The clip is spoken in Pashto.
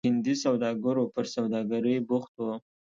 هندي سوداګرو پر سوداګرۍ بوخت وو.